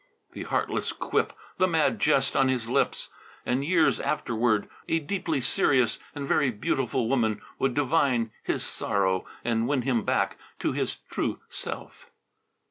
The heartless quip, the mad jest on his lips! And years afterward, a deeply serious and very beautiful woman would divine his sorrow and win him back to his true self.